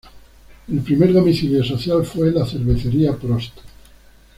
El primer domicilio social fue la Cervecería Prost.